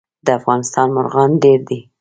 د افغانستان مرغان ډیر دي